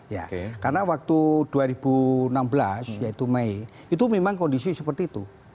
ya karena waktu dua ribu enam belas yaitu mei itu memang kondisi seperti itu